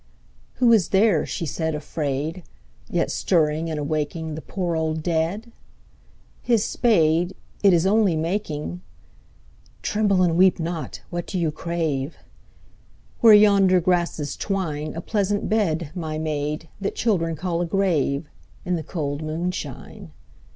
II. Who is there, she said afraid, yet Stirring and awaking The poor old dead? His spade, it Is only making, — (Tremble and weep not I What do you crave ?) Where yonder grasses twine, A pleasant bed, my maid, that Children call a grave, In the cold moonshine.